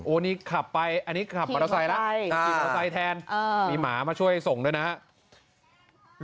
โอ้นี่ขับไปอันนี้ขับมารสไทยแล้วใช่อ่าสาวแทนเออมีหมามาช่วยส่งด้วยนะฮะ